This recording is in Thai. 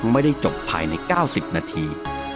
ไม่ได้จบภายในเก้าสิบนาที